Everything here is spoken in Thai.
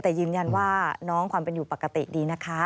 แต่ยืนยันว่าน้องความเป็นอยู่ปกติดีนะคะ